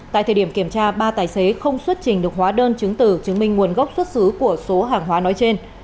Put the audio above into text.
tại thời điểm kiểm tra ba tài xế không xuất trình được hóa đơn chứng từ chứng minh nguồn gốc xuất xứ của số hàng hóa nói trên